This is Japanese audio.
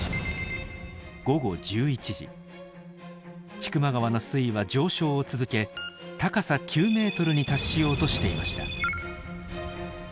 千曲川の水位は上昇を続け高さ９メートルに達しようとしていました。